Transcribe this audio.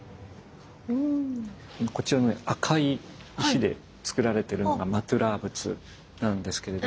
こちらのね赤い石でつくられてるのがマトゥラー仏なんですけれども。